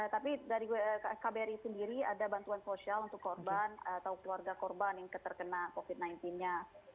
tapi dari kbri sendiri ada bantuan sosial untuk korban atau keluarga korban yang terkena covid sembilan belas nya